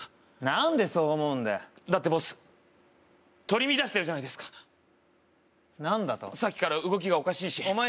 何でそう思うんだよだってボス取り乱してるじゃないですか何だとさっきから動きがおかしいしお前